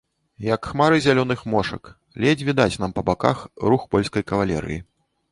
Як хмары зялёных мошак, ледзь відаць нам па баках рух польскай кавалерыі.